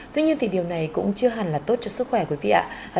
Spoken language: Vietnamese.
tuy nhiên thì điều này cũng chưa hẳn là tốt cho sức khỏe của quý vị ạ